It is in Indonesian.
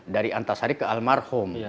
dari antasari ke almarhum